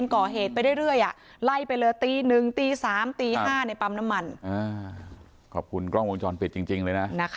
ขอบคุณค่ะ